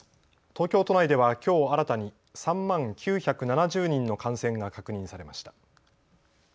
東京都内ではきょう新たに３万９７０人の感染が確認されました。